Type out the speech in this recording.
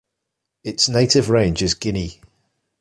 Its native range is Guinea.